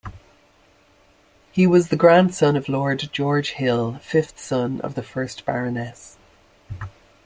He was the grandson of Lord George Hill, fifth son of the first Baroness.